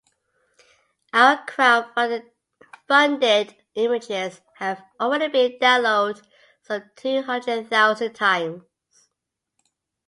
Our crowd funded images have already been download some two-hundred thousand times.